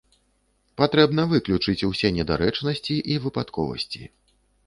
Патрэбна выключыць усе недарэчнасці і выпадковасці.